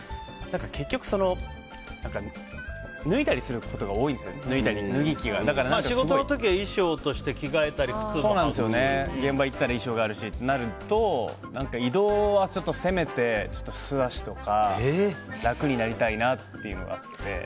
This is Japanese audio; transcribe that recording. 結局、脱いだりすることが仕事の時は衣装として着替えたり現場行ったら衣装があるしとなると移動は、せめて素足とか楽になりたいなっていうのがあって。